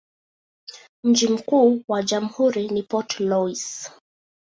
Mji mkuu wa jamhuri ni Port Louis.